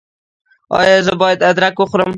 ایا زه باید ادرک وخورم؟